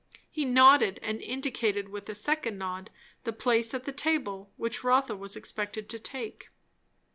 He nodded, and indicated with a second nod the place at table which Rotha was expected to take.